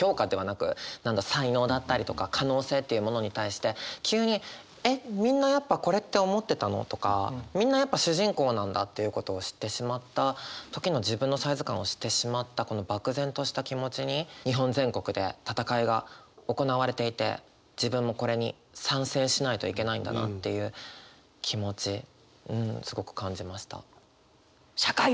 才能だったりとか可能性っていうものに対して急にえっみんなやっぱこれって思ってたの？とかみんなやっぱ主人公なんだということを知ってしまった時の自分のサイズ感を知ってしまったこの漠然とした気持ちに日本全国で闘いが行われていて自分もこれに参戦しないといけないんだなっていう気持ちうんすごく感じました。